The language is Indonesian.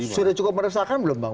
sudah cukup meresahkan belum bang